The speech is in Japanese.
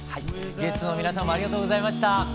ゲストの皆さんもありがとうございました。